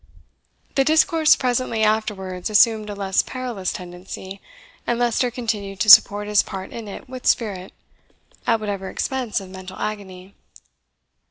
The discourse presently afterwards assumed a less perilous tendency, and Leicester continued to support his part in it with spirit, at whatever expense of mental agony.